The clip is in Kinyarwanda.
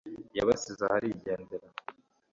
yabasize aho arigendera